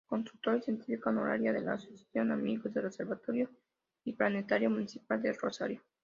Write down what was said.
Consultora científica honoraria de la Asociación Amigos del Observatorio y Planetario Municipal de Rosario.